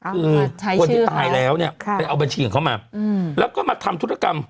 คือคนที่ตายแล้วเนี่ยไปเอาบัญชีของเขามาแล้วก็มาทำธุรกรรม